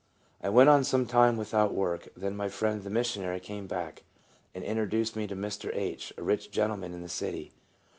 " I WENT on some time without work ; then my friend the missionary came back, and introduced me to Mr. H., a rich gentleman in the city.